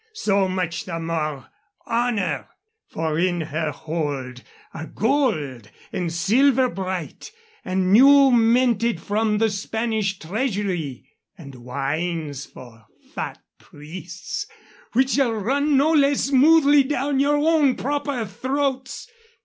So much the more honor! For in her hold are gold and silver bright and new minted from the Spanish treasury, and wines for fat priests, which shall run no less smoothly down your own proper throats.